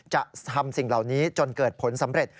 จะทำสิ่งเหล่านี้จนเกิดผลสำเร็จ